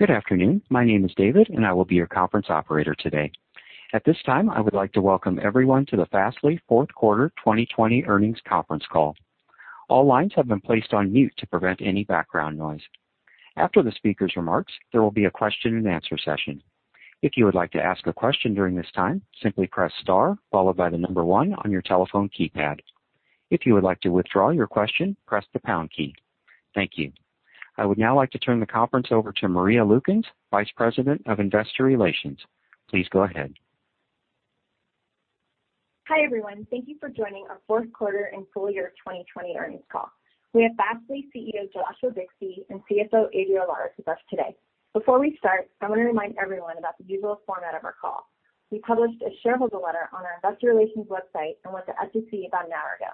Good afternoon. My name is David, and I will be your conference operator today. At this time, I would like to welcome everyone to the Fastly fourth quarter 2020 earnings conference call. All lines have been placed on mute to prevent any background noise. After the speaker's remarks, there will be a question and answer session. If you would like to ask a question during this time, simply press star followed by the number one on your telephone keypad. If you would like to withdraw your question, press the pound key. Thank you. I would now like to turn the conference over to Maria Lukens, Vice President of Investor Relations. Please go ahead. Hi, everyone. Thank you for joining our fourth quarter and full-year 2020 earnings call. We have Fastly CEO, Joshua Bixby, and CFO, Adriel Lares, with us today. Before we start, I want to remind everyone about the usual format of our call. We published a shareholder letter on our investor relations website and with the SEC about an hour ago.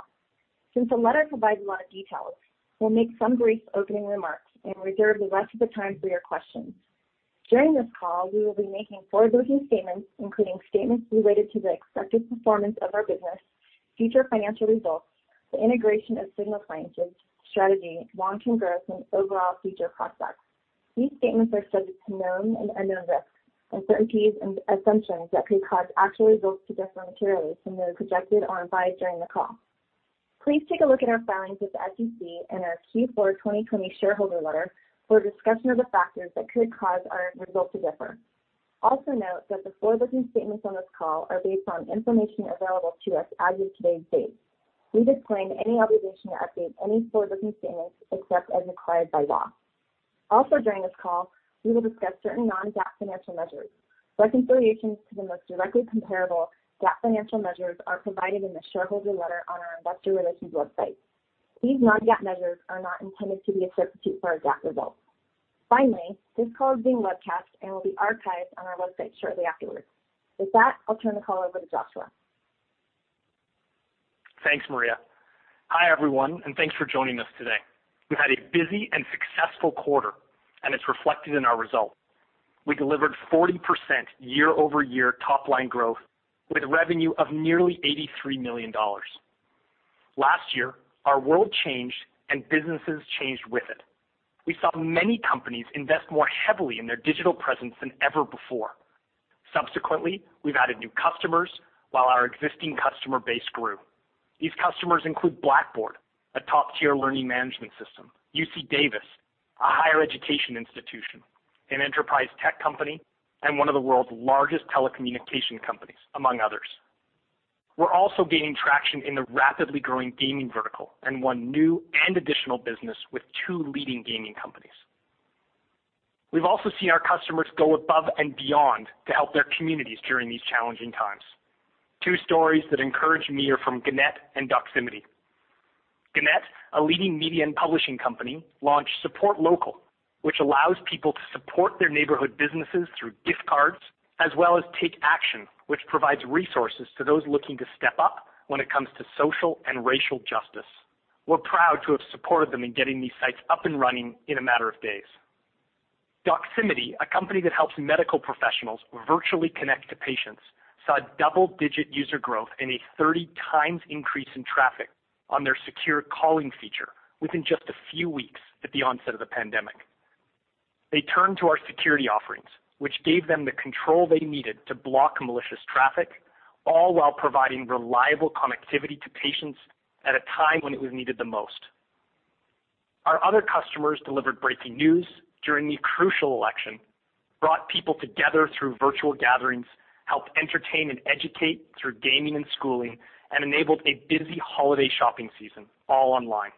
Since the letter provides a lot of details, we'll make some brief opening remarks and reserve the rest of the time for your questions. During this call, we will be making forward-looking statements, including statements related to the expected performance of our business, future financial results, the integration of Signal Sciences, strategy, long-term growth, and overall future prospects. These statements are subject to known and unknown risks, uncertainties, and assumptions that could cause actual results to differ materially from those projected or implied during the call. Please take a look at our filings with the SEC and our Q4 2020 shareholder letter for a discussion of the factors that could cause our results to differ. Also note that the forward-looking statements on this call are based on information available to us as of today's date. We disclaim any obligation to update any forward-looking statements except as required by law. Also, during this call, we will discuss certain non-GAAP financial measures. Reconciliations to the most directly comparable GAAP financial measures are provided in the shareholder letter on our investor relations website. These non-GAAP measures are not intended to be a substitute for a GAAP result. Finally, this call is being webcast and will be archived on our website shortly afterwards. With that, I'll turn the call over to Joshua. Thanks, Maria. Hi, everyone, and thanks for joining us today. We had a busy and successful quarter, and it's reflected in our results. We delivered 40% year-over-year top-line growth with revenue of nearly $83 million. Last year, our world changed and businesses changed with it. We saw many companies invest more heavily in their digital presence than ever before. Subsequently, we've added new customers while our existing customer base grew. These customers include Blackboard, a top-tier learning management system, UC Davis, a higher education institution, an enterprise tech company, and one of the world's largest telecommunication companies, among others. We're also gaining traction in the rapidly growing gaming vertical and won new and additional business with two leading gaming companies. We've also seen our customers go above and beyond to help their communities during these challenging times. Two stories that encourage me are from Gannett and Doximity. Gannett, a leading media and publishing company, launched Support Local, which allows people to support their neighborhood businesses through gift cards, as well as Take Action, which provides resources to those looking to step up when it comes to social and racial justice. We're proud to have supported them in getting these sites up and running in a matter of days. Doximity, a company that helps medical professionals virtually connect to patients, saw double-digit user growth and a 30x increase in traffic on their secure calling feature within just a few weeks at the onset of the pandemic. They turned to our security offerings, which gave them the control they needed to block malicious traffic, all while providing reliable connectivity to patients at a time when it was needed the most. Our other customers delivered breaking news during the crucial election, brought people together through virtual gatherings, helped entertain and educate through gaming and schooling, and enabled a busy holiday shopping season, all online.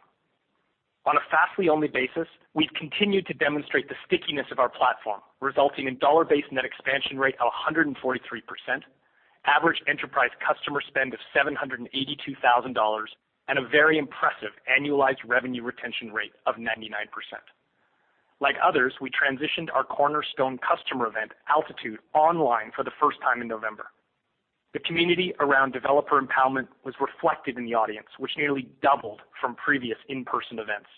On a Fastly-only basis, we've continued to demonstrate the stickiness of our platform, resulting in dollar-based net expansion rate of 143%, average enterprise customer spend of $782,000, and a very impressive annualized revenue retention rate of 99%. Like others, we transitioned our cornerstone customer event, Altitude, online for the first time in November. The community around developer empowerment was reflected in the audience, which nearly doubled from previous in-person events.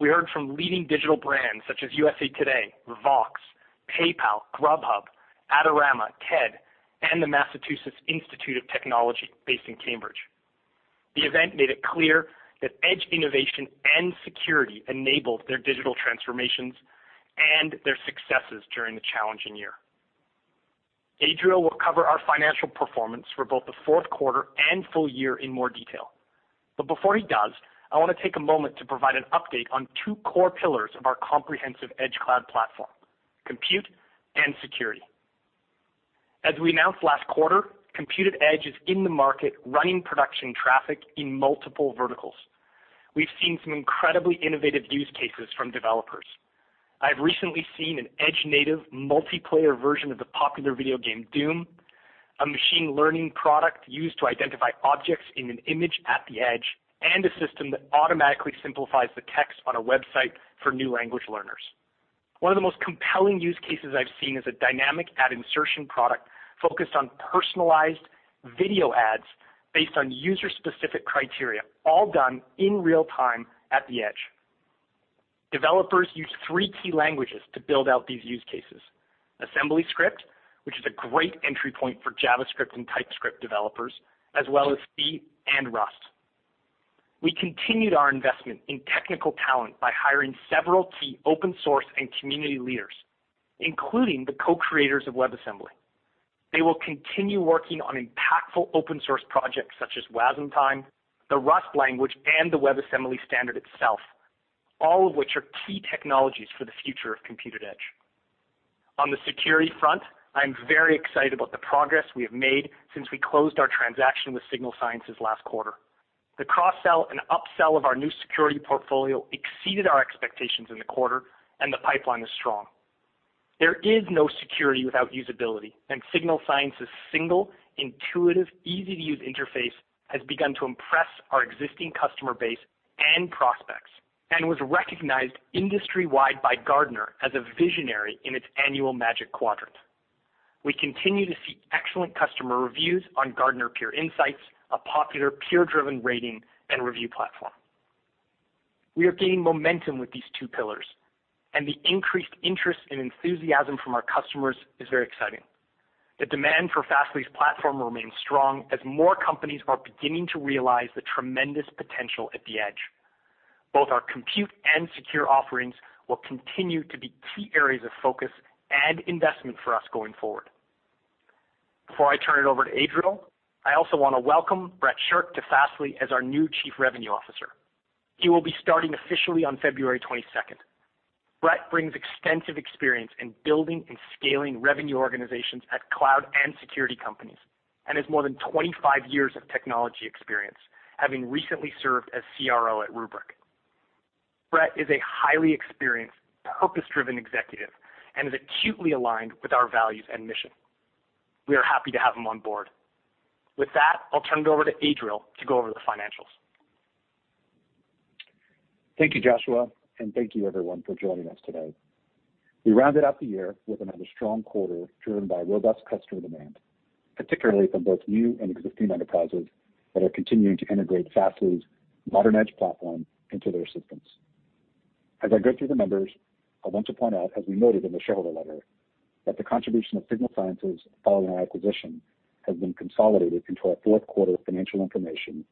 We heard from leading digital brands such as USA Today, Vox, PayPal, Grubhub, Adorama, TED, and the Massachusetts Institute of Technology based in Cambridge. The event made it clear that edge innovation and security enabled their digital transformations and their successes during the challenging year. Adriel will cover our financial performance for both the fourth quarter and full-year in more detail. Before he does, I want to take a moment to provide an update on two core pillars of our comprehensive Edge Cloud platform, Compute and security. As we announced last quarter, Compute Edge is in the market running production traffic in multiple verticals. We've seen some incredibly innovative use cases from developers. I've recently seen an edge native multiplayer version of the popular video game Doom, a machine learning product used to identify objects in an image at the edge, and a system that automatically simplifies the text on a website for new language learners. One of the most compelling use cases I've seen is a dynamic ad insertion product focused on personalized video ads based on user-specific criteria, all done in real-time at the edge. Developers use three key languages to build out these use cases. AssemblyScript, which is a great entry point for JavaScript and TypeScript developers, as well as Swift and Rust. We continued our investment in technical talent by hiring several key open source and community leaders, including the co-creators of WebAssembly. They will continue working on impactful open source projects such as Wasmtime, the Rust language, and the WebAssembly standard itself, all of which are key technologies for the future of Compute Edge. On the security front, I'm very excited about the progress we have made since we closed our transaction with Signal Sciences last quarter. The cross-sell and up-sell of our new security portfolio exceeded our expectations in the quarter. The pipeline is strong. There is no security without usability, and Signal Sciences' single, intuitive, easy-to-use interface has begun to impress our existing customer base and prospects, and was recognized industry-wide by Gartner as a visionary in its annual Magic Quadrant. We continue to see excellent customer reviews on Gartner Peer Insights, a popular peer-driven rating and review platform. We are gaining momentum with these two pillars, and the increased interest and enthusiasm from our customers is very exciting. The demand for Fastly's platform remains strong as more companies are beginning to realize the tremendous potential at the edge. Both our compute and secure offerings will continue to be key areas of focus and investment for us going forward. Before I turn it over to Adriel, I also want to welcome Brett Shirk to Fastly as our new Chief Revenue Officer. He will be starting officially on February 22nd. Brett brings extensive experience in building and scaling revenue organizations at cloud and security companies, and has more than 25 years of technology experience, having recently served as CRO at Rubrik. Brett is a highly experienced, purpose-driven executive and is acutely aligned with our values and mission. We are happy to have him on board. With that, I'll turn it over to Adriel to go over the financials. Thank you, Joshua, and thank you, everyone, for joining us today. We rounded out the year with another strong quarter, driven by robust customer demand, particularly from both new and existing enterprises that are continuing to integrate Fastly's Modern Edge platform into their systems. As I go through the numbers, I want to point out, as we noted in the shareholder letter, that the contribution of Signal Sciences following our acquisition has been consolidated into our fourth quarter financial information,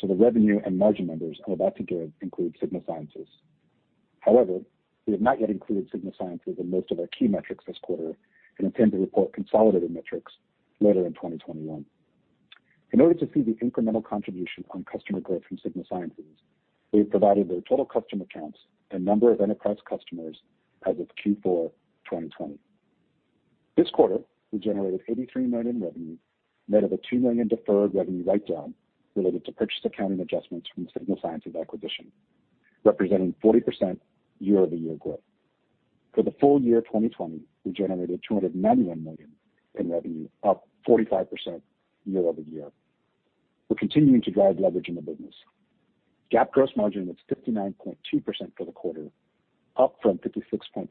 so the revenue and margin numbers I'm about to give include Signal Sciences. However, we have not yet included Signal Sciences in most of our key metrics this quarter and intend to report consolidated metrics later in 2021. In order to see the incremental contribution on customer growth from Signal Sciences, we have provided the total customer counts and number of enterprise customers as of Q4 2020. This quarter, we generated $83 million in revenue, net of a $2 million deferred revenue write-down related to purchase accounting adjustments from Signal Sciences acquisition, representing 40% year-over-year growth. For the full-year 2020, we generated $291 million in revenue, up 45% year-over-year. We're continuing to drive leverage in the business. GAAP gross margin was 59.2% for the quarter, up from 56.7%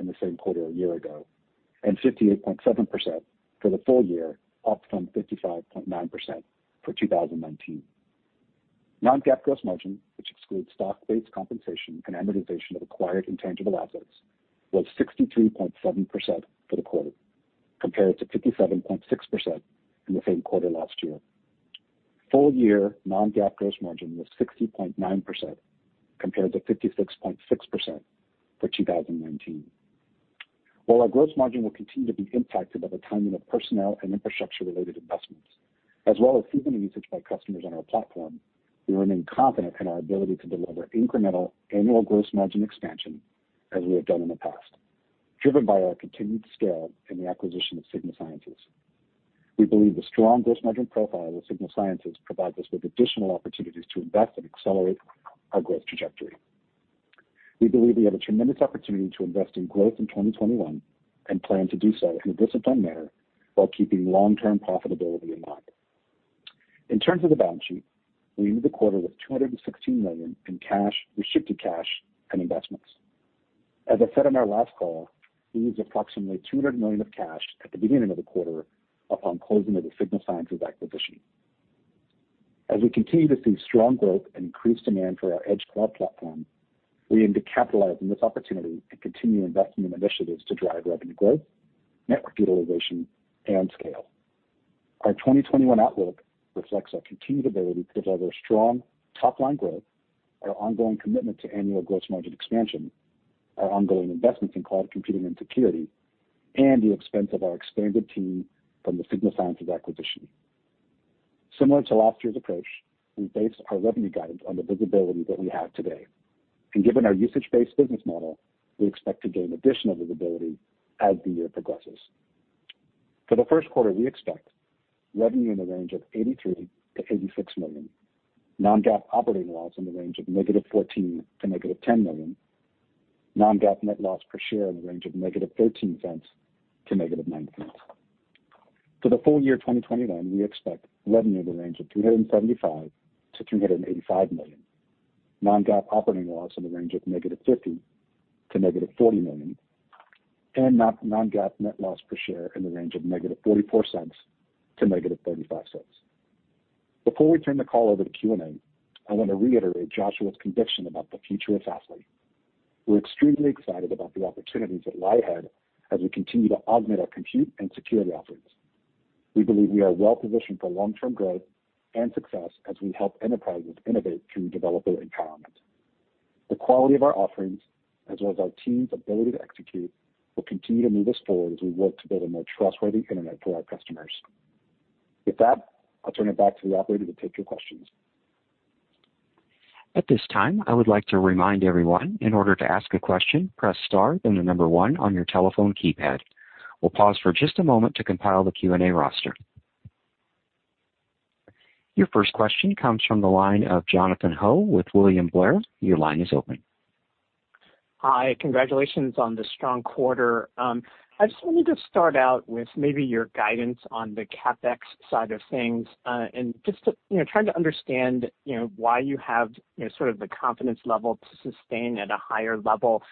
in the same quarter a year ago, and 58.7% for the full-year, up from 55.9% for 2019. Non-GAAP gross margin, which excludes stock-based compensation and amortization of acquired intangible assets, was 63.7% for the quarter, compared to 57.6% in the same quarter last year. Full-year non-GAAP gross margin was 60.9%, compared to 56.6% for 2019. While our gross margin will continue to be impacted by the timing of personnel and infrastructure-related investments, as well as seasonal usage by customers on our platform, we remain confident in our ability to deliver incremental annual gross margin expansion as we have done in the past, driven by our continued scale in the acquisition of Signal Sciences. We believe the strong gross margin profile of Signal Sciences provides us with additional opportunities to invest and accelerate our growth trajectory. We believe we have a tremendous opportunity to invest in growth in 2021 and plan to do so in a disciplined manner while keeping long-term profitability in mind. In terms of the balance sheet, we ended the quarter with $216 million in cash, restricted cash, and investments. As I said on our last call, we used approximately $200 million of cash at the beginning of the quarter upon closing of the Signal Sciences acquisition. As we continue to see strong growth and increased demand for our Edge Cloud platform, we aim to capitalize on this opportunity and continue investing in initiatives to drive revenue growth, network utilization, and scale. Our 2021 outlook reflects our continued ability to deliver strong top-line growth, our ongoing commitment to annual gross margin expansion, our ongoing investments in cloud computing and security, and the expense of our expanded team from the Signal Sciences acquisition. Similar to last year's approach, we based our revenue guidance on the visibility that we have today, and given our usage-based business model, we expect to gain additional visibility as the year progresses. For the first quarter, we expect revenue in the range of $83 million-$86 million, non-GAAP operating loss in the range of -$14 million to -$10 million, non-GAAP net loss per share in the range of -$0.13 to -$0.09. For the full-year 2021, we expect revenue in the range of $275 million-$385 million, non-GAAP operating loss in the range of -$50 million to -$40 million, and non-GAAP net loss per share in the range of -$0.44 to -$0.35. Before we turn the call over to Q&A, I want to reiterate Joshua's conviction about the future of Fastly. We're extremely excited about the opportunities that lie ahead as we continue to augment our compute and security offerings. We believe we are well-positioned for long-term growth and success as we help enterprises innovate through developer empowerment. The quality of our offerings, as well as our team's ability to execute, will continue to move us forward as we work to build a more trustworthy internet for our customers. With that, I'll turn it back to the operator to take your questions. At this time, I would like to remind everyone, in order to ask a question, press star, then the number one on your telephone keypad. We'll pause for just a moment to compile the Q&A roster. Your first question comes from the line of Jonathan Ho with William Blair. Your line is open. Hi. Congratulations on the strong quarter. I just wanted to start out with maybe your guidance on the CapEx side of things, and just trying to understand why you have the confidence level to sustain at a higher level,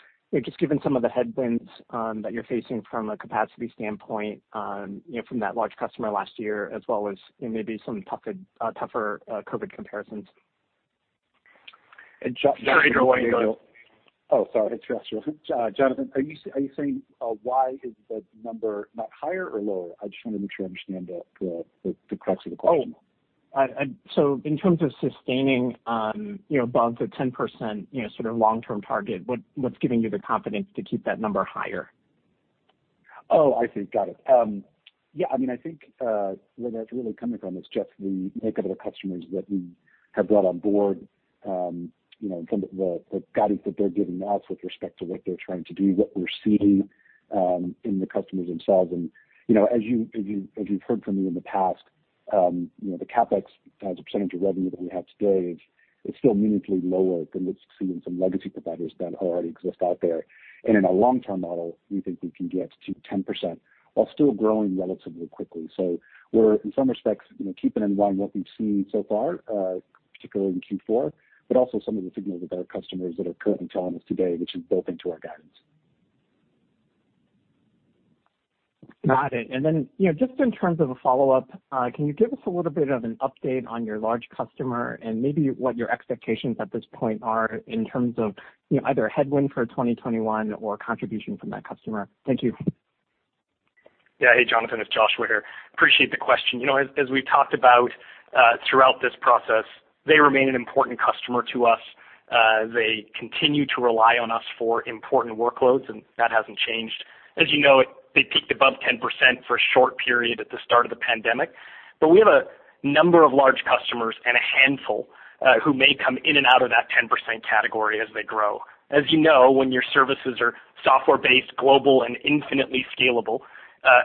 just given some of the headwinds that you're facing from a capacity standpoint from that large customer last year, as well as maybe some tougher COVID comparisons. Josh. Sure, Adriel, why don't you go ahead. Oh, sorry. It's Joshua. Jonathan, are you saying why is the number not higher or lower? I just want to make sure I understand the crux of the question. In terms of sustaining above the 10% long-term target, what's giving you the confidence to keep that number higher? Oh, I see. Got it. Yeah, I think where that's really coming from is just the makeup of the customers that we have brought on board, some of the guidance that they're giving us with respect to what they're trying to do, what we're seeing in the customers themselves. As you've heard from me in the past, the CapEx as a percentage of revenue that we have today is still meaningfully lower than what you see in some legacy providers that already exist out there. In our long-term model, we think we can get to 10% while still growing relatively quickly. We're, in some respects, keeping in mind what we've seen so far, particularly in Q4, but also some of the signals that our customers that are currently telling us today, which is built into our guidance. Got it. Just in terms of a follow-up, can you give us a little bit of an update on your large customer and maybe what your expectations at this point are in terms of either a headwind for 2021 or a contribution from that customer? Thank you. Yeah. Hey, Jonathan, it's Joshua here. Appreciate the question. As we've talked about throughout this process, they remain an important customer to us. They continue to rely on us for important workloads, and that hasn't changed. As you know, they peaked above 10% for a short period at the start of the pandemic. We have a number of large customers and a handful who may come in and out of that 10% category as they grow. As you know, when your services are software-based, global and infinitely scalable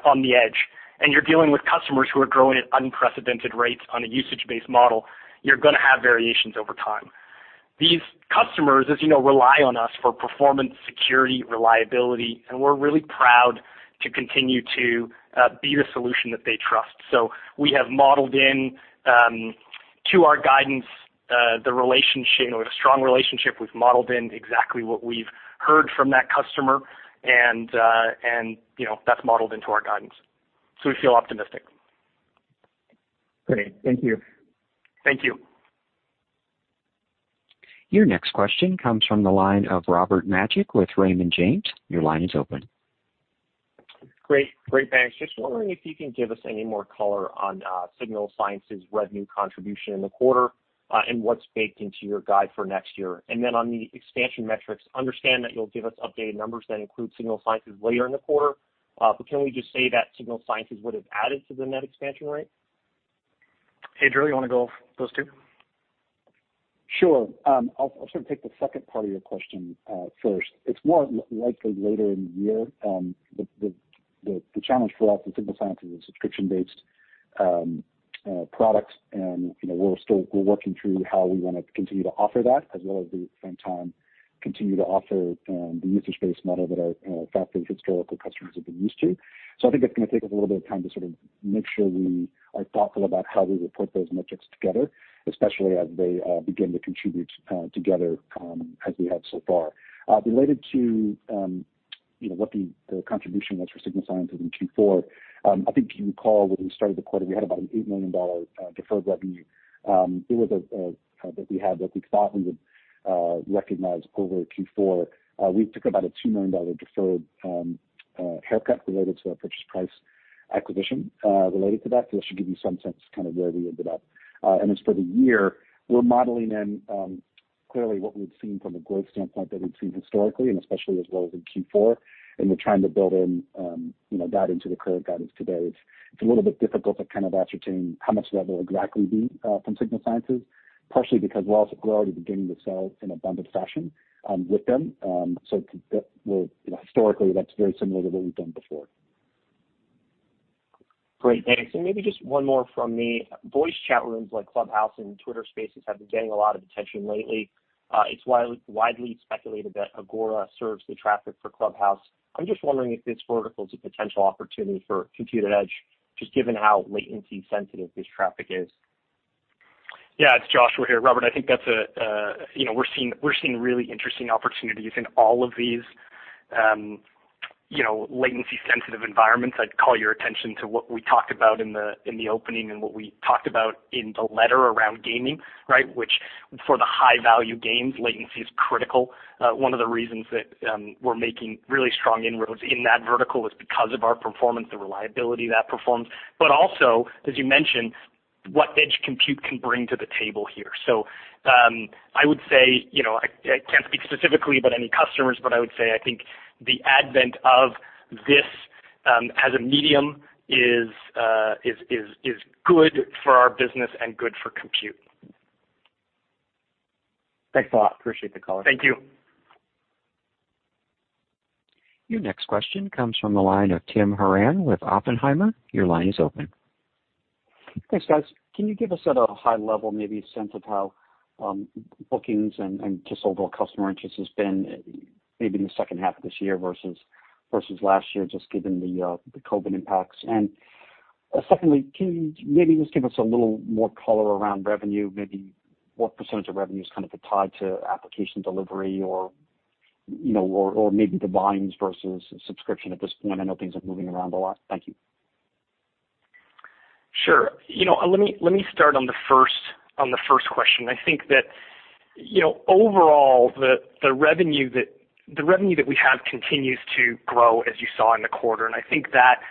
on the edge, and you're dealing with customers who are growing at unprecedented rates on a usage-based model, you're going to have variations over time. These customers, as you know, rely on us for performance, security, reliability, and we're really proud to continue to be the solution that they trust. We have modeled in, to our guidance, the strong relationship, we've modeled in exactly what we've heard from that customer, and that's modeled into our guidance. We feel optimistic. Great. Thank you. Thank you. Your next question comes from the line of Robert Majek with Raymond James. Your line is open. Great. Thanks. Just wondering if you can give us any more color on Signal Sciences' revenue contribution in the quarter and what's baked into your guide for next year. On the expansion metrics, understand that you'll give us updated numbers that include Signal Sciences later in the quarter, but can we just say that Signal Sciences would have added to the net expansion rate? Hey, Adriel, you want to go over those two? Sure. I'll sort of take the second part of your question first. It's more likely later in the year. The challenge for us with Signal Sciences is a subscription-based product, and we're working through how we want to continue to offer that as well as, at the same time, continue to offer the usage-based model that our Fastly historical customers have been used to. I think that's going to take us a little bit of time to sort of make sure we are thoughtful about how we report those metrics together, especially as they begin to contribute together as we have so far. Related to what the contribution was for Signal Sciences in Q4, I think you recall when we started the quarter, we had about an $8 million deferred revenue that we had that we thought we would recognize over Q4. We took about a $2 million deferred haircut related to our purchase price acquisition related to that. That should give you some sense, kind of where we ended up. As for the year, we're modeling in clearly what we've seen from a growth standpoint that we've seen historically, and especially as well as in Q4, and we're trying to build in that into the current guidance today. It's a little bit difficult to kind of ascertain how much that will exactly be from Signal Sciences, partially because we're also already beginning to sell in abundant fashion with them. Historically, that's very similar to what we've done before. Great, thanks. Maybe just one more from me. Voice chat rooms like Clubhouse and Twitter Spaces have been getting a lot of attention lately. It's widely speculated that Agora serves the traffic for Clubhouse. I'm just wondering if this vertical is a potential opportunity for Compute Edge, just given how latency sensitive this traffic is. Yeah, it's Joshua here. Robert, I think we're seeing really interesting opportunities in all of these Latency sensitive environments, I'd call your attention to what we talked about in the opening and what we talked about in the letter around gaming. Which for the high-value games, latency is critical. One of the reasons that we're making really strong inroads in that vertical is because of our performance, the reliability of that performance. Also, as you mentioned, what edge compute can bring to the table here. I would say, I can't speak specifically about any customers, but I would say I think the advent of this as a medium is good for our business and good for compute. Thanks a lot. Appreciate the call. Thank you. Your next question comes from the line of Tim Horan with Oppenheimer. Your line is open. Thanks, guys. Can you give us at a high level, maybe a sense of how bookings and just overall customer interest has been maybe in the second half of this year versus last year, just given the COVID impacts? Secondly, can you maybe just give us a little more color around revenue, maybe what % of revenue is tied to application delivery or maybe the volumes versus subscription at this point? I know things are moving around a lot. Thank you. Sure. Let me start on the first question. I think that overall, the revenue that we have continues to grow, as you saw in the quarter, and I think that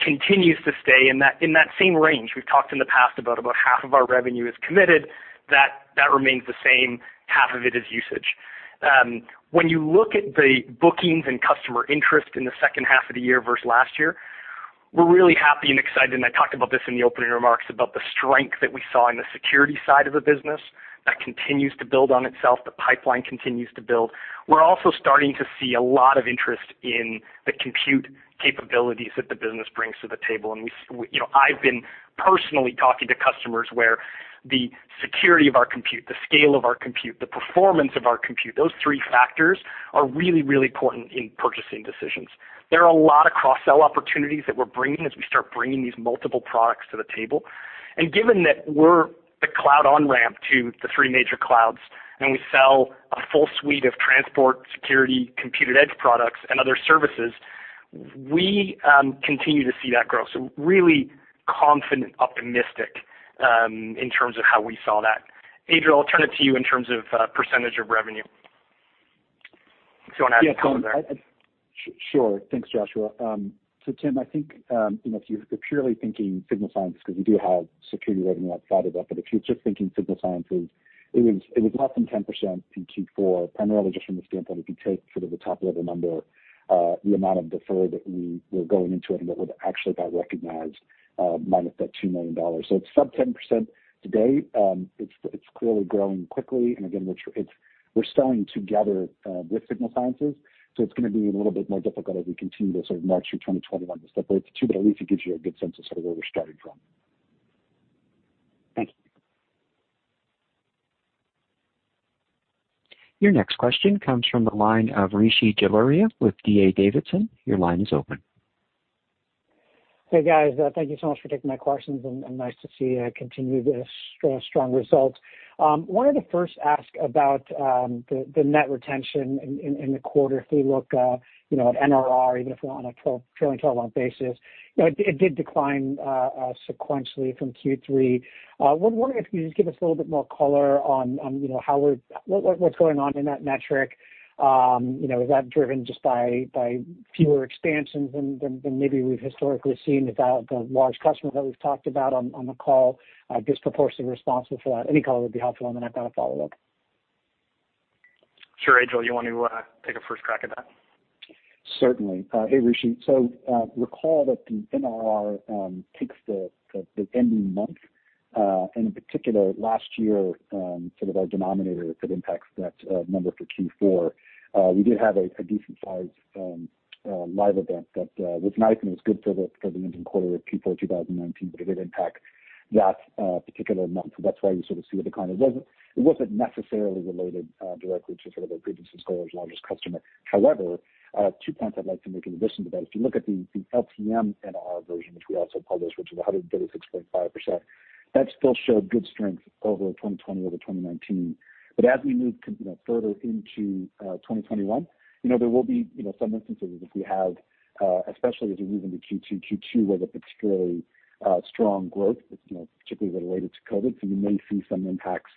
continues to stay in that same range. We've talked in the past about half of our revenue is committed, that remains the same. Half of it is usage. When you look at the bookings and customer interest in the second half of the year versus last year, we're really happy and excited, and I talked about this in the opening remarks, about the strength that we saw in the security side of the business. That continues to build on itself. The pipeline continues to build. We're also starting to see a lot of interest in the compute capabilities that the business brings to the table, and I've been personally talking to customers where the security of our compute, the scale of our compute, the performance of our compute, those three factors are really, really important in purchasing decisions. There are a lot of cross-sell opportunities that we're bringing as we start bringing these multiple products to the table. Given that we're the cloud on-ramp to the three major clouds, and we sell a full suite of transport, security, computed edge products and other services, we continue to see that grow. Really confident, optimistic, in terms of how we saw that. Adriel, I'll turn it to you in terms of percentage of revenue. If you want to add a comment there. Sure. Thanks, Joshua. Tim, I think, if you're purely thinking Signal Sciences, because we do have security revenue outside of that, if you're just thinking Signal Sciences, it was less than 10% in Q4, primarily just from the standpoint if you take sort of the top-level number, the amount of deferred that we were going into it and that would actually got recognized, minus that $2 million. It's sub 10% today. It's clearly growing quickly, and again, we're selling together with Signal Sciences, so it's going to be a little bit more difficult as we continue to sort of march through 2021 and stuff. It's true that at least it gives you a good sense of sort of where we're starting from. Thank you. Your next question comes from the line of Rishi Jaluria with D.A. Davidson. Your line is open. Hey, guys. Thank you so much for taking my questions, and nice to see continued strong results. I wanted to first ask about the net retention in the quarter. If we look at NRR, even if we're on a trailing 12 month basis, it did decline sequentially from Q3. I was wondering if you could just give us a little bit more color on what's going on in that metric. Is that driven just by fewer expansions than maybe we've historically seen without the large customer that we've talked about on the call disproportionately responsible for that? Any color would be helpful. I've got a follow-up. Sure. Adriel, you want to take a first crack at that? Certainly. Hey, Rishi. Recall that the NRR takes the ending month, and in particular, last year, sort of our denominator, it impacts that number for Q4. We did have a decent-sized live event that was nice, and it was good for the ending quarter of Q4 2019, but it did impact that particular month. That's why you sort of see the decline. It wasn't necessarily related directly to sort of our previous disclosure, our largest customer. Two points I'd like to make in addition to that. If you look at the LTM NRR version, which we also published, which was 136.5%, that still showed good strength over 2020 over 2019. As we move further into 2021, there will be some instances if we have, especially as we move into Q2 was a particularly strong growth, particularly related to COVID. You may see some impacts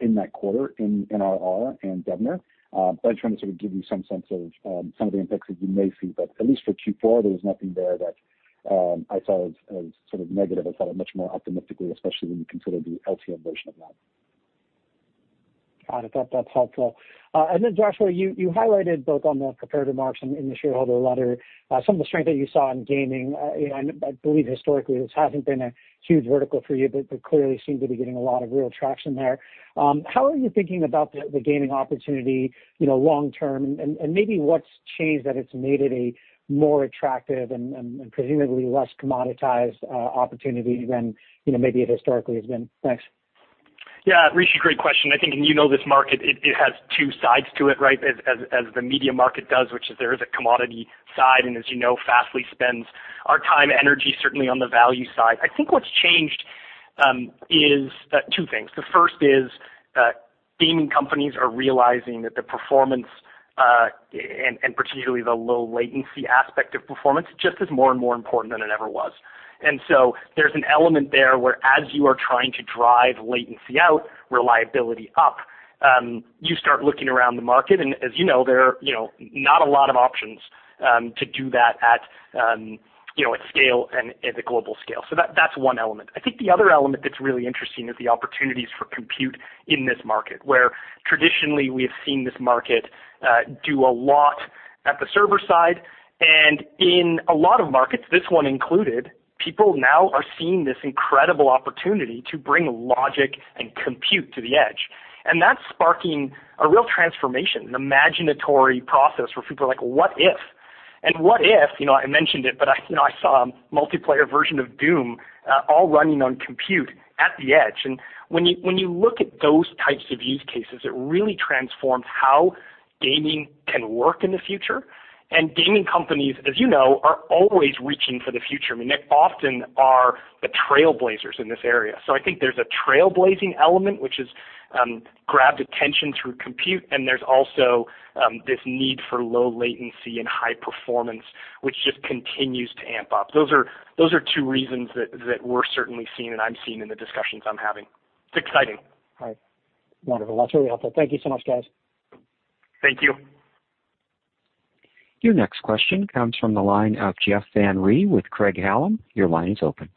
in that quarter in NRR and revenue. I try to sort of give you some sense of some of the impacts that you may see. At least for Q4, there was nothing there that I saw as sort of negative. I saw it much more optimistically, especially when you consider the LTM version of that. Got it. That's helpful. Joshua, you highlighted both on the prepared remarks and in the shareholder letter, some of the strength that you saw in gaming. I believe historically this hasn't been a huge vertical for you, but clearly seem to be getting a lot of real traction there. How are you thinking about the gaming opportunity long term, and maybe what's changed that it's made it a more attractive and presumably less commoditized opportunity than maybe it historically has been? Thanks. Yeah, Rishi, great question. I think, you know this market, it has two sides to it, right? As the media market does, which is there is a commodity side, as you know, Fastly spends our time, energy certainly on the value side. I think what's changed. Two things. The first is gaming companies are realizing that the performance, and particularly the low latency aspect of performance, just is more and more important than it ever was. There's an element there where as you are trying to drive latency out, reliability up, you start looking around the market, as you know, there are not a lot of options to do that at scale and at the global scale. That's one element. I think the other element that's really interesting is the opportunities for compute in this market, where traditionally we have seen this market do a lot at the server side, in a lot of markets, this one included, people now are seeing this incredible opportunity to bring logic and Compute Edge. That's sparking a real transformation, an imaginatory process where people are like, "What if?" What if, I mentioned it, but I saw a multiplayer version of "Doom" all running on Compute Edge. When you look at those types of use cases, it really transforms how gaming can work in the future. Gaming companies, as you know, are always reaching for the future. They often are the trailblazers in this area. I think there's a trailblazing element, which has grabbed attention through compute, and there's also this need for low latency and high performance, which just continues to amp up. Those are two reasons that we're certainly seeing and I'm seeing in the discussions I'm having. It's exciting. All right. Wonderful. That's really helpful. Thank you so much, guys. Thank you. Your next question comes from the line of Jeff Van Rhee with Craig-Hallum. Your line is open.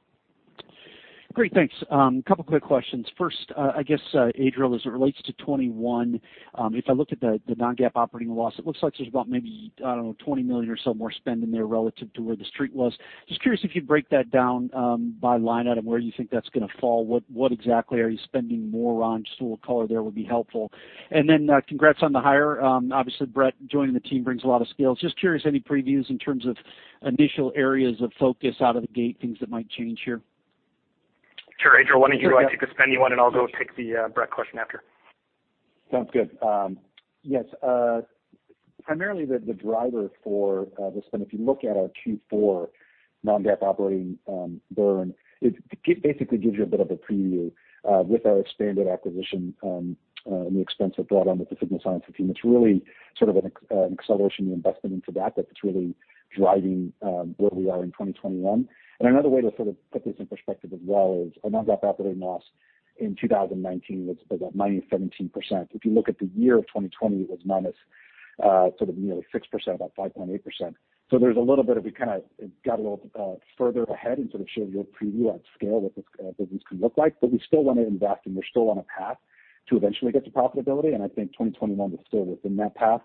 Great, thanks. Couple quick questions. First, I guess, Adriel, as it relates to 2021, if I look at the non-GAAP operating loss, it looks like there's about maybe, I don't know, $20 million or so more spend in there relative to where The Street was. Just curious if you'd break that down by line item, where you think that's going to fall. What exactly are you spending more on? Just a little color there would be helpful. Then congrats on the hire. Obviously Brett joining the team brings a lot of skills. Just curious, any previews in terms of initial areas of focus out of the gate, things that might change here? Sure. Adriel, why don't you? I take the spending one, and I'll go take the Brett question after. Sounds good. Yes. Primarily the driver for the spend, if you look at our Q4 non-GAAP operating burn, it basically gives you a bit of a preview with our expanded acquisition and the expense we've brought on with the Signal Sciences team. It's really sort of an acceleration investment into that's really driving where we are in 2021. Another way to sort of put this in perspective as well is our non-GAAP operating loss in 2019 was about 17%. If you look at the year of 2020, it was minus sort of nearly 6%, about 5.8%. There's a little bit of, we kind of got a little further ahead and sort of showed you a preview at scale what this business can look like. We still want to invest, and we're still on a path to eventually get to profitability, and I think 2021 is still within that path.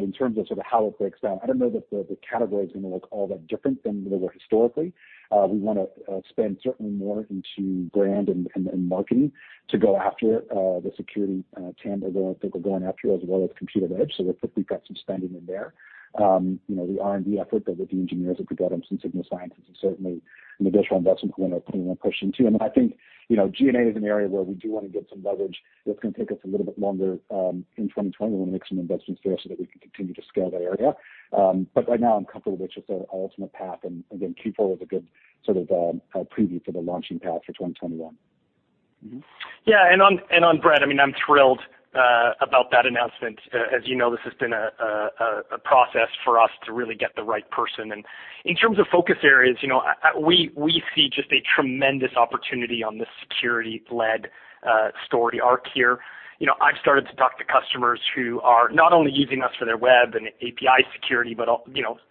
In terms of how it breaks down, I don't know that the category is going to look all that different than they were historically. We want to spend certainly more into brand and marketing to go after the security TAM that we're going after, as well as Compute Edge. I think we've got some spending in there. The R&D effort with the engineers that we got from Signal Sciences is certainly an additional investment we want to continue to push into. I think G&A is an area where we do want to get some leverage that's going to take us a little bit longer in 2020. We want to make some investments there so that we can continue to scale that area. Right now I'm comfortable with just our ultimate path, and again, Q4 was a good sort of preview for the launching path for 2021. Yeah. On Brett, I'm thrilled about that announcement. As you know, this has been a process for us to really get the right person. In terms of focus areas, we see just a tremendous opportunity on this security-led story arc here. I've started to talk to customers who are not only using us for their web and API security, but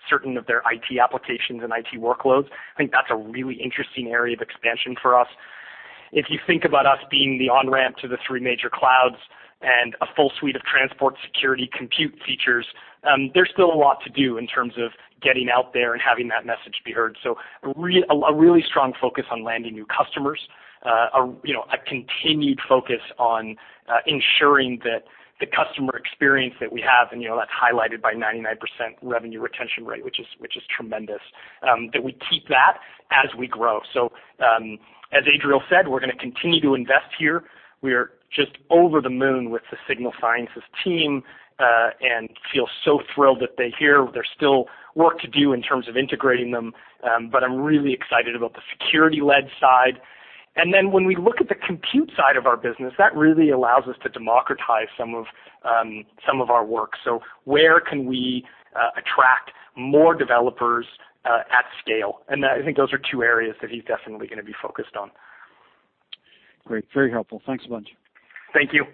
certain of their IT applications and IT workloads. I think that's a really interesting area of expansion for us. If you think about us being the on-ramp to the three major clouds and a full suite of transport security compute features, there's still a lot to do in terms of getting out there and having that message be heard. A really strong focus on landing new customers, a continued focus on ensuring that the customer experience that we have, and that's highlighted by 99% revenue retention rate, which is tremendous, that we keep that as we grow. As Adriel said, we're going to continue to invest here. We're just over the moon with the Signal Sciences team, and feel so thrilled that they're here. There's still work to do in terms of integrating them. I'm really excited about the security-led side. When we look at the compute side of our business, that really allows us to democratize some of our work. Where can we attract more developers at scale? I think those are two areas that he's definitely going to be focused on. Great. Very helpful. Thanks a bunch. Thank you.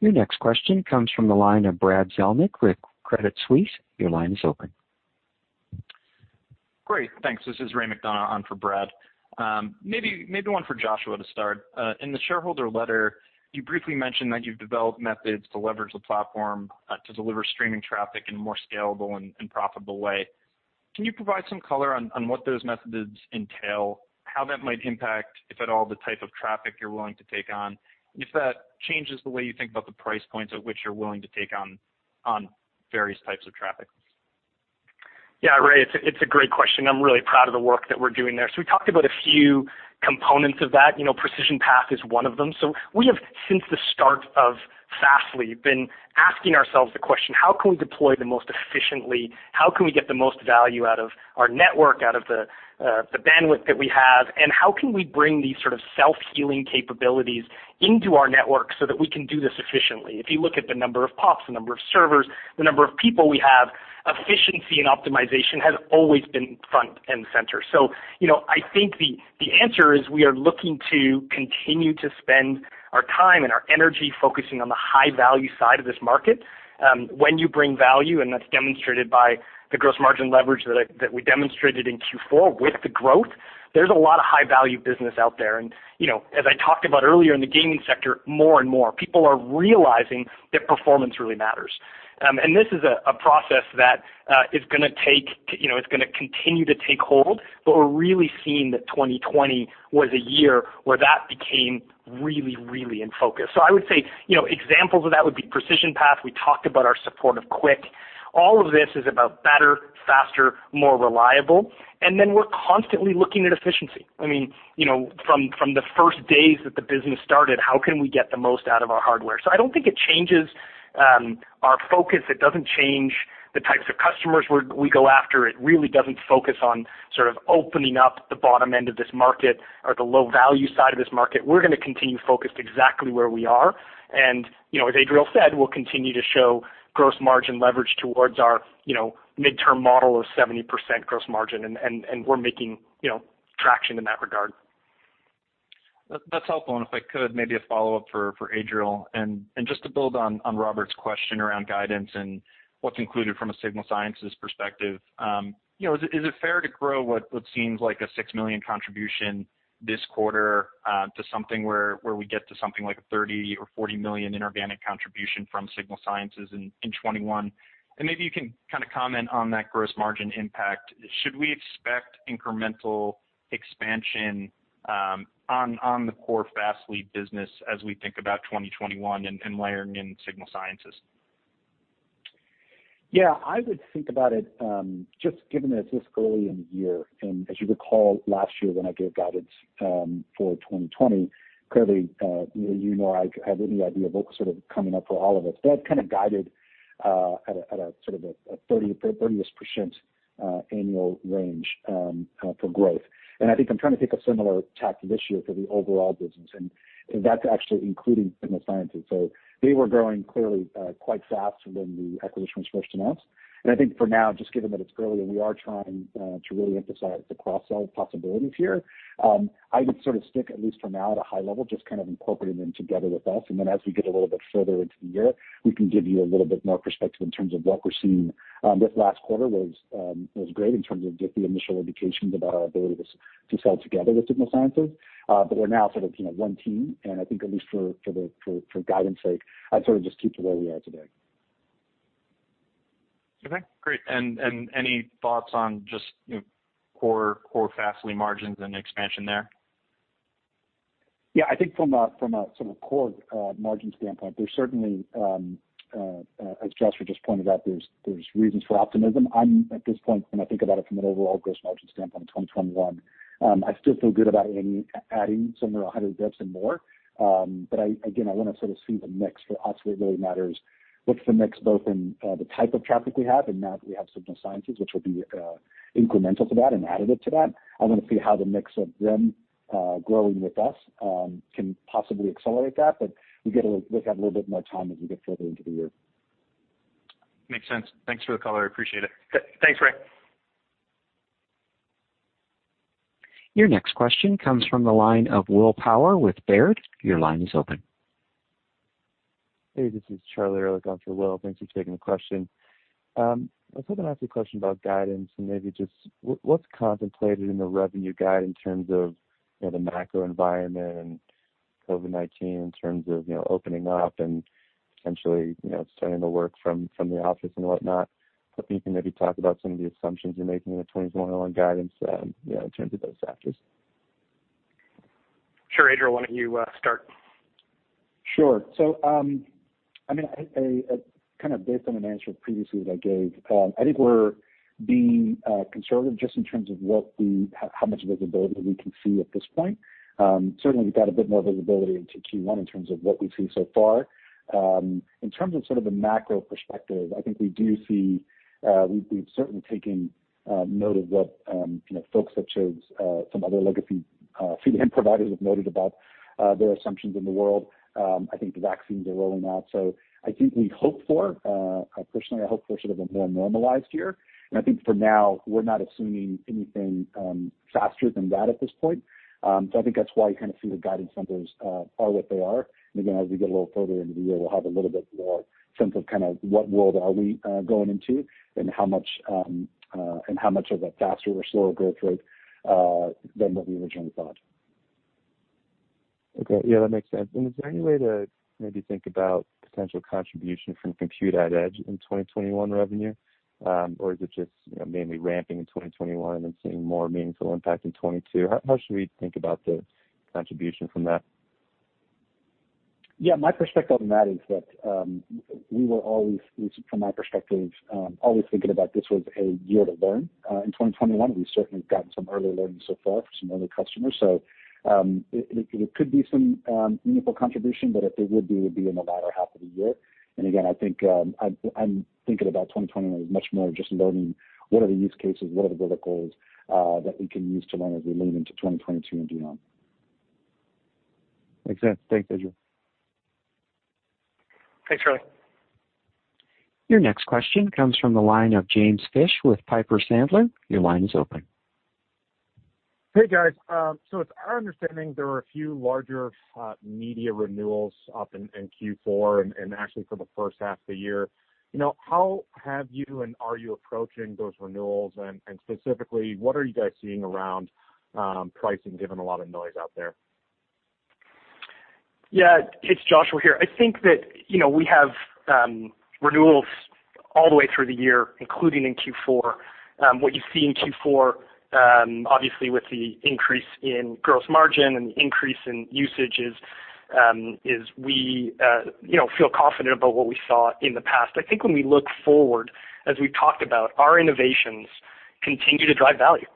Your next question comes from the line of Brad Zelnick with Credit Suisse. Your line is open. Great. Thanks. This is Ray McDonough on for Brad. Maybe one for Joshua to start. In the shareholder letter, you briefly mentioned that you've developed methods to leverage the platform to deliver streaming traffic in a more scalable and profitable way. Can you provide some color on what those methods entail, how that might impact, if at all, the type of traffic you're willing to take on, and if that changes the way you think about the price points at which you're willing to take on various types of traffic? Yeah, Ray, it's a great question. I'm really proud of the work that we're doing there. We talked about a few components of that. Precision Path is one of them. We have, since the start of Fastly, been asking ourselves the question, how can we deploy the most efficiently, how can we get the most value out of our network, out of the bandwidth that we have, and how can we bring these sort of self-healing capabilities into our network so that we can do this efficiently? If you look at the number of POPs, the number of servers, the number of people we have, efficiency and optimization has always been front and center. I think the answer is we are looking to continue to spend our time and our energy focusing on the high-value side of this market. When you bring value, and that's demonstrated by the gross margin leverage that we demonstrated in Q4 with the growth, there's a lot of high-value business out there. As I talked about earlier, in the gaming sector, more and more people are realizing that performance really matters. This is a process that is going to continue to take hold, but we're really seeing that 2020 was a year where that became really in focus. I would say, examples of that would be Precision Path. We talked about our support of QUIC. All of this is about better, faster, more reliable. We're constantly looking at efficiency. From the first days that the business started, how can we get the most out of our hardware? I don't think it changes our focus. It doesn't change the types of customers we go after. It really doesn't focus on sort of opening up the bottom end of this market or the low-value side of this market. We're going to continue focused exactly where we are. As Adriel said, we'll continue to show gross margin leverage towards our midterm model of 70% gross margin. We're making traction in that regard. That's helpful. If I could, maybe a follow-up for Adriel, and just to build on Robert's question around guidance and what's included from a Signal Sciences perspective. Is it fair to grow what seems like a $6 million contribution this quarter to something where we get to something like a $30 million or $40 million inorganic contribution from Signal Sciences in 2021? Maybe you can kind of comment on that gross margin impact. Should we expect incremental expansion on the core Fastly business as we think about 2021 and layering in Signal Sciences? Yeah, I would think about it, just given that it's this early in the year, and as you recall, last year when I gave guidance for 2020, clearly, neither you nor I had any idea of what was sort of coming up for all of us. I've kind of guided at a sort of a 30% annual range for growth. I think I'm trying to take a similar tactic this year for the overall business, and that's actually including Signal Sciences. They were growing clearly quite fast when the acquisition was first announced. I think for now, just given that it's early and we are trying to really emphasize the cross-sell possibilities here, I would sort of stick at least for now at a high level, just kind of incorporating them together with us. As we get a little bit further into the year, we can give you a little bit more perspective in terms of what we're seeing. This last quarter was great in terms of just the initial indications about our ability to sell together with Signal Sciences. We're now sort of one team, and I think at least for guidance sake, I'd sort of just keep to where we are today. Any thoughts on just core Fastly margins and expansion there? Yeah, I think from a sort of core margin standpoint, there's certainly, as Joshua just pointed out, there's reasons for optimism. I'm, at this point, when I think about it from an overall gross margin standpoint in 2021, I still feel good about adding somewhere 100 basis points and more. Again, I want to sort of see the mix. For us, what really matters, what's the mix both in the type of traffic we have, and now that we have Signal Sciences, which will be incremental to that and additive to that. I want to see how the mix of them growing with us can possibly accelerate that, but we have a little bit more time as we get further into the year. Makes sense. Thanks for the color. I appreciate it. Okay. Thanks, Ray. Your next question comes from the line of Will Power with Baird. Your line is open. Hey, this is Charlie Erlikh going for Will. Thanks for taking the question. I was hoping to ask you a question about guidance. Maybe just what's contemplated in the revenue guide in terms of the macro environment and COVID-19 in terms of opening up and potentially starting to work from the office and whatnot. I was hoping you can maybe talk about some of the assumptions you're making in the 2021 guidance in terms of those factors. Sure. Adriel, why don't you start? Sure. Kind of based on an answer previously that I gave, I think we're being conservative just in terms of how much visibility we can see at this point. Certainly, we've got a bit more visibility into Q1 in terms of what we've seen so far. In terms of sort of the macro perspective, I think we've certainly taken note of what folks such as some other legacy CDN providers have noted about their assumptions in the world. I think the vaccines are rolling out. I think we hope for, personally, I hope for sort of a more normalized year. I think for now, we're not assuming anything faster than that at this point. I think that's why you kind of see the guidance numbers are what they are. Again, as we get a little further into the year, we'll have a little bit more sense of kind of what world are we going into and how much of a faster or slower growth rate than what we originally thought. Okay. Yeah, that makes sense. Is there any way to maybe think about potential contribution from Compute Edge in 2021 revenue? Is it just mainly ramping in 2021 and seeing more meaningful impact in 2022? How should we think about the contribution from that? Yeah, my perspective on that is that we were always, from my perspective, always thinking about this was a year to learn. In 2021, we certainly have gotten some early learnings so far from some early customers. It could be some meaningful contribution, but if there would be, it would be in the latter half of the year. Again, I'm thinking about 2021 as much more just learning what are the use cases, what are the verticals that we can use to learn as we lean into 2022 and beyond. Makes sense. Thanks, Adriel. Thanks, Charlie. Your next question comes from the line of James Fish with Piper Sandler. Hey, guys. It's our understanding there are a few larger media renewals up in Q4, and actually for the first half of the year. How have you and are you approaching those renewals and specifically, what are you guys seeing around pricing, given a lot of noise out there? Yeah. It's Joshua here. I think that we have renewals all the way through the year, including in Q4. What you see in Q4, obviously with the increase in gross margin and the increase in usage, is we feel confident about what we saw in the past. I think when we look forward, as we've talked about, our innovations continue to drive value.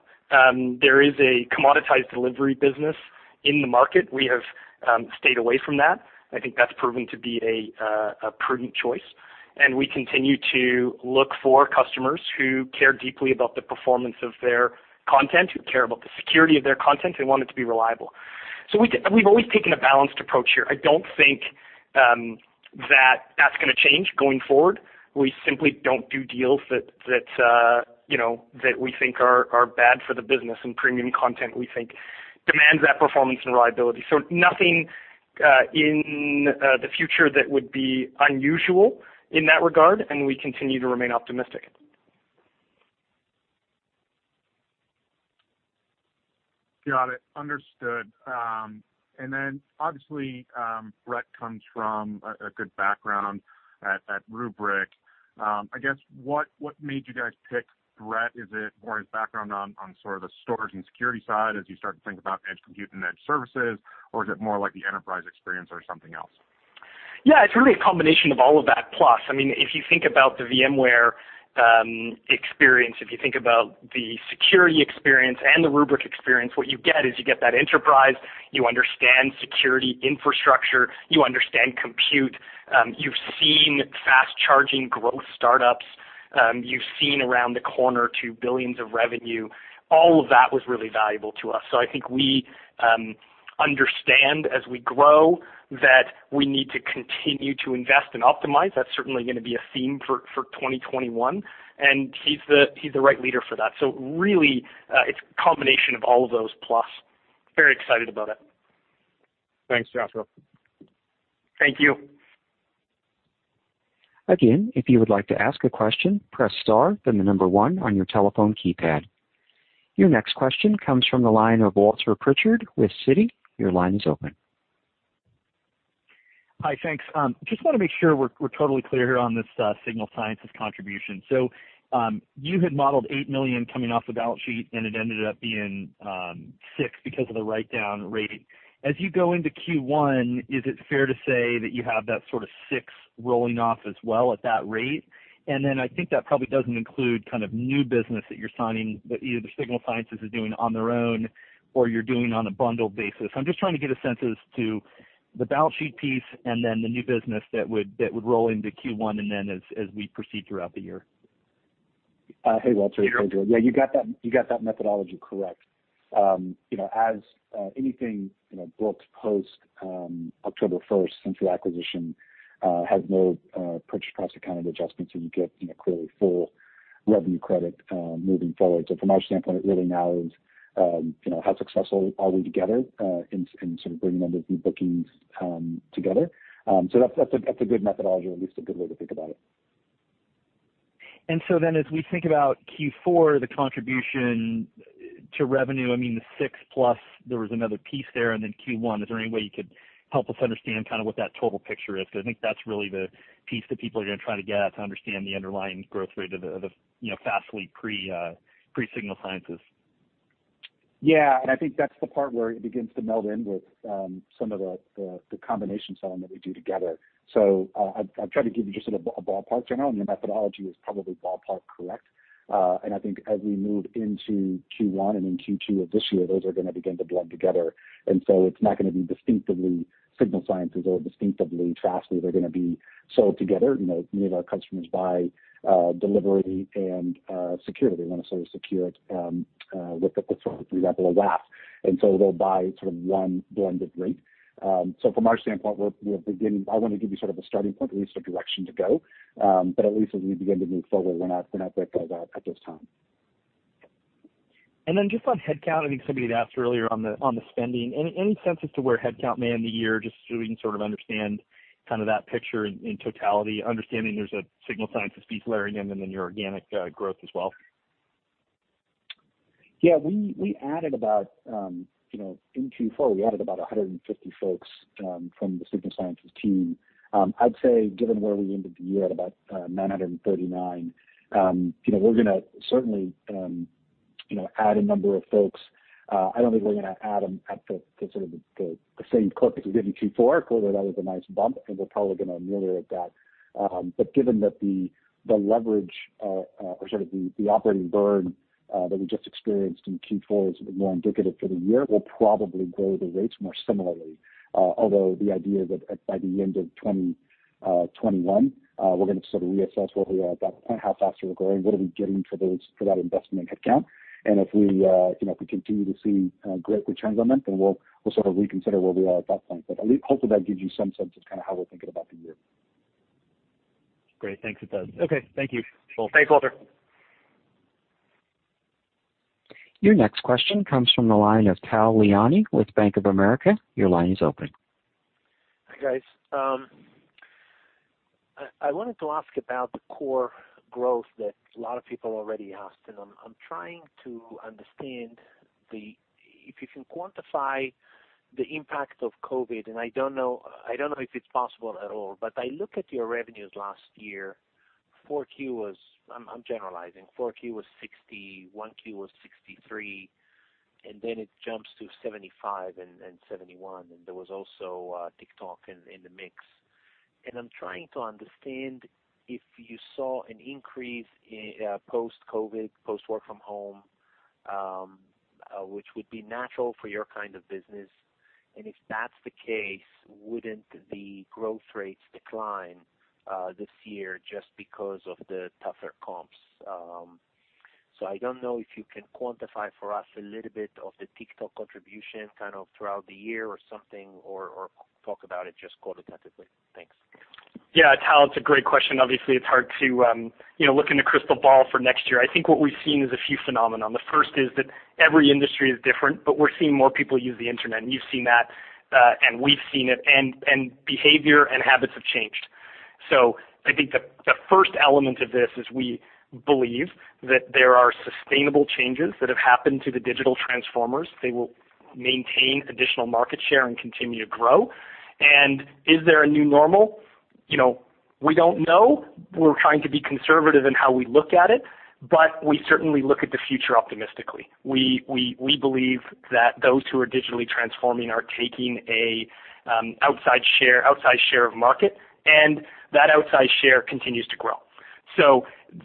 There is a commoditized delivery business in the market. We have stayed away from that. I think that's proven to be a prudent choice, and we continue to look for customers who care deeply about the performance of their content, who care about the security of their content, and want it to be reliable. We've always taken a balanced approach here. I don't think that's going to change going forward. We simply don't do deals that we think are bad for the business. Premium content, we think, demands that performance and reliability. Nothing in the future that would be unusual in that regard. We continue to remain optimistic. Got it. Understood. Obviously, Brett comes from a good background at Rubrik. I guess what made you guys pick Brett? Is it more his background on sort of the storage and security side as you start to think about edge compute and edge services, or is it more like the enterprise experience or something else? Yeah, it's really a combination of all of that plus. If you think about the VMware experience, if you think about the security experience and the Rubrik experience, what you get is you get that enterprise. You understand security infrastructure. You understand compute. You've seen fast-charging growth startups. You've seen around the corner to billions of revenue. All of that was really valuable to us. I think we understand as we grow that we need to continue to invest and optimize. That's certainly going to be a theme for 2021, and he's the right leader for that. Really, it's a combination of all of those plus. Very excited about it. Thanks, Joshua. Thank you. Again, if you would like to ask a question, press star then number one on your telephone keypad. Your next question comes from the line of Walter Pritchard with Citi. Hi. Thanks. Just want to make sure we're totally clear here on this Signal Sciences contribution. You had modeled $8 million coming off the balance sheet, and it ended up being six because of the write-down rate. As you go into Q1, is it fair to say that you have that sort of six rolling off as well at that rate? I think that probably doesn't include kind of new business that you're signing that either Signal Sciences is doing on their own or you're doing on a bundled basis. I'm just trying to get a sense as to the balance sheet piece and then the new business that would roll into Q1 and then as we proceed throughout the year. Hey, Walter. It's Adriel. Yeah, you got that methodology correct. As anything booked post October 1st since your acquisition has no purchase price accounting adjustment, you get clearly full revenue credit moving forward. From our standpoint, it really now is how successful are we together in sort of bringing under new bookings together. That's a good methodology or at least a good way to think about it. As we think about Q4, the contribution to revenue, I mean, the six-plus, there was another piece there, and then Q1, is there any way you could help us understand kind of what that total picture is? Because I think that's really the piece that people are going to try to get at to understand the underlying growth rate of Fastly pre-Signal Sciences. I think that's the part where it begins to meld in with some of the combination selling that we do together. I'll try to give you just a ballpark general, your methodology was probably ballpark correct. I think as we move into Q1 and in Q2 of this year, those are going to begin to blend together. It's not going to be distinctively Signal Sciences or distinctively Fastly. They're going to be sold together. Many of our customers buy delivery and security. They want to sort of secure it with, for example, a WAF. They'll buy sort of one blended rate. From our standpoint, I want to give you sort of a starting point, at least a direction to go. At least as we begin to move forward, we're not going to break those out at this time. Then just on headcount, I think somebody had asked earlier on the spending. Any sense as to where headcount may end the year, just so we can sort of understand kind of that picture in totality, understanding there's a Signal Sciences piece layering in and then your organic growth as well? Yeah. In Q4, we added about 150 folks from the Signal Sciences team. I'd say, given where we ended the year at about 939, we're going to certainly add a number of folks. I don't think we're going to add them at the same clip as we did in Q4, although that was a nice bump, and we're probably going to mirror that. Given that the leverage or the operating burn that we just experienced in Q4 is more indicative for the year, we'll probably grow the rates more similarly. Although the idea that by the end of 2021, we're going to reassess where we are at that point, how fast we're growing, what are we getting for that investment headcount. If we continue to see great returns on it, then we'll reconsider where we are at that point. Hopefully, that gives you some sense of how we're thinking about the year. Great. Thanks. It does. Okay. Thank you. Cool. Thanks, Walter. Your next question comes from the line of Tal Liani with Bank of America. Your line is open. Hi, guys. I wanted to ask about the core growth that a lot of people already asked. I'm trying to understand if you can quantify the impact of COVID. I don't know if it's possible at all. I look at your revenues last year, I'm generalizing, 4Q was $60, 1Q was $63. Then it jumps to $75 and $71. There was also TikTok in the mix. I'm trying to understand if you saw an increase post-COVID, post-work from home, which would be natural for your kind of business. If that's the case, wouldn't the growth rates decline this year just because of the tougher comps? I don't know if you can quantify for us a little bit of the TikTok contribution throughout the year or something, or talk about it just qualitatively. Thanks. Yeah, Tal, it's a great question. Obviously, it's hard to look in the crystal ball for next year. I think what we've seen is a few phenomenon. The first is that every industry is different, but we're seeing more people use the internet, and you've seen that, and we've seen it, and behavior and habits have changed. I think the first element of this is we believe that there are sustainable changes that have happened to the digital transformers. They will maintain additional market share and continue to grow. Is there a new normal? We don't know. We're trying to be conservative in how we look at it, but we certainly look at the future optimistically. We believe that those who are digitally transforming are taking a outside share of market, and that outside share continues to grow.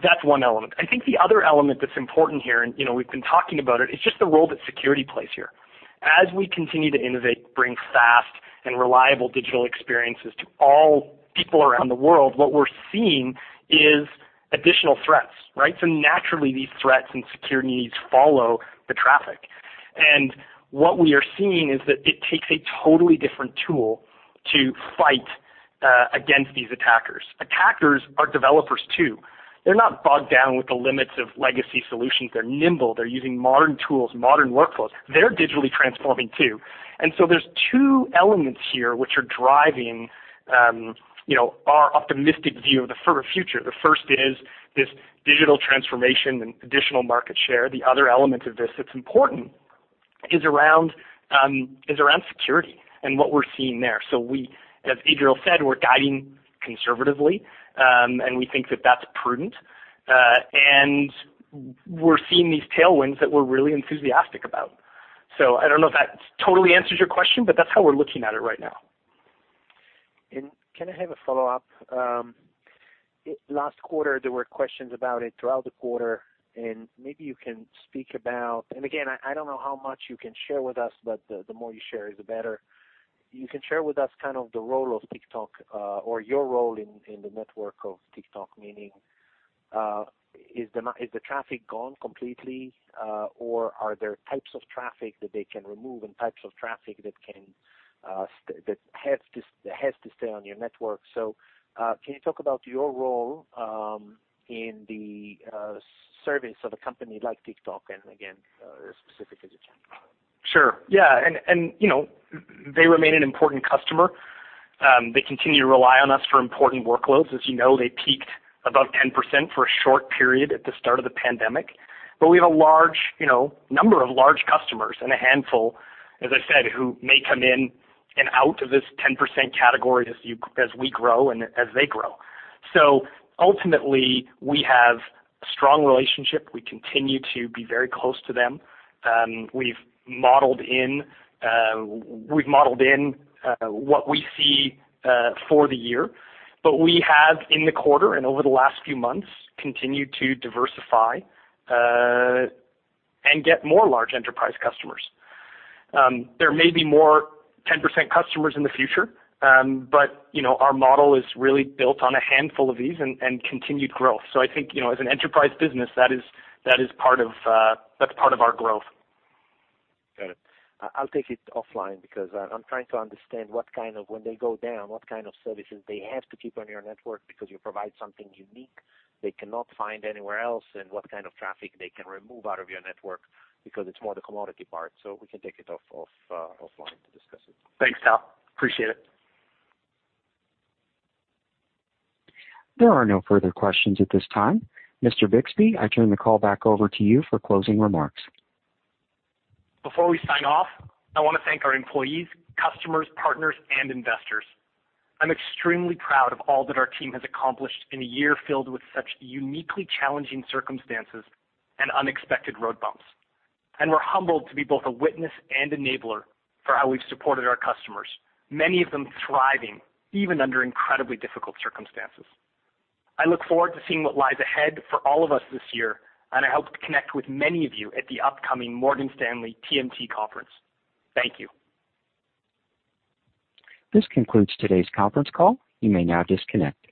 That's one element. I think the other element that's important here, and we've been talking about it, is just the role that security plays here. As we continue to innovate, bring fast and reliable digital experiences to all people around the world, what we're seeing is additional threats, right? Naturally, these threats and security needs follow the traffic. What we are seeing is that it takes a totally different tool to fight against these attackers. Attackers are developers, too. They're not bogged down with the limits of legacy solutions. They're nimble. They're using modern tools, modern workflows. They're digitally transforming, too. There's two elements here which are driving our optimistic view of the further future. The first is this digital transformation and additional market share. The other element of this that's important is around security and what we're seeing there. As Adriel said, we're guiding conservatively, and we think that that's prudent. We're seeing these tailwinds that we're really enthusiastic about. I don't know if that totally answers your question, but that's how we're looking at it right now. Can I have a follow-up? Last quarter, there were questions about it throughout the quarter. Maybe you can speak about it. Again, I don't know how much you can share with us, but the more you share is the better. You can share with us the role of TikTok or your role in the network of TikTok, meaning is the traffic gone completely, or are there types of traffic that they can remove and types of traffic that has to stay on your network? Can you talk about your role in the service of a company like TikTok, and again, as specific as you can? Sure. Yeah. They remain an important customer. They continue to rely on us for important workloads. As you know, they peaked above 10% for a short period at the start of the pandemic. We have a number of large customers and a handful, as I said, who may come in and out of this 10% category as we grow and as they grow. Ultimately, we have a strong relationship. We continue to be very close to them. We've modeled in what we see for the year. We have, in the quarter and over the last few months, continued to diversify and get more large enterprise customers. There may be more 10% customers in the future, but our model is really built on a handful of these and continued growth. I think, as an enterprise business, that's part of our growth. Got it. I'll take it offline because I'm trying to understand when they go down, what kind of services they have to keep on your network because you provide something unique they cannot find anywhere else, and what kind of traffic they can remove out of your network because it's more the commodity part. We can take it offline to discuss it. Thanks, Tal. Appreciate it. There are no further questions at this time. Mr. Bixby, I turn the call back over to you for closing remarks. Before we sign off, I want to thank our employees, customers, partners, and investors. I'm extremely proud of all that our team has accomplished in a year filled with such uniquely challenging circumstances and unexpected road bumps. We're humbled to be both a witness and enabler for how we've supported our customers, many of them thriving even under incredibly difficult circumstances. I look forward to seeing what lies ahead for all of us this year. I hope to connect with many of you at the upcoming Morgan Stanley TMT Conference. Thank you. This concludes today's conference call. You may now disconnect.